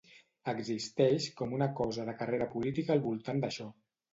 Existeix com una cosa de carrera política al voltant d'això.